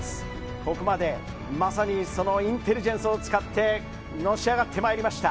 ここまでまさにそのインテリジェンスを使ってのし上がってまいりました。